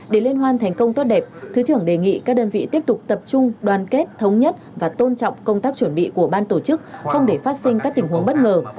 để liên hoan thành công tốt đẹp thứ trưởng đề nghị các đơn vị tiếp tục tập trung đoàn kết thống nhất và tôn trọng công tác chuẩn bị của ban tổ chức không để phát sinh các tình huống bất ngờ